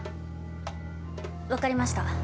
わかりました。